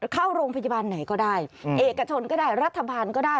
เข้าโรงพยาบาลไหนก็ได้เอกชนก็ได้รัฐบาลก็ได้